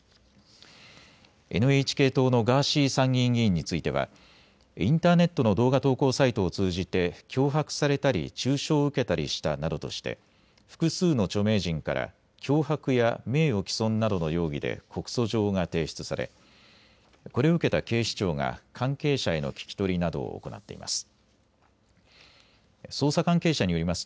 ＮＨＫ党のガーシー参議院議員についてはインターネットの動画投稿サイトを通じて脅迫されたり中傷を受けたりしたなどとして複数の著名人から脅迫や名誉毀損などの容疑で告訴状が提出されこれを受けた警視庁が関係者への聞き取りなどを行っています。